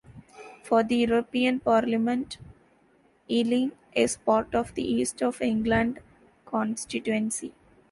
For the European Parliament Yelling is part of the East of England constituency.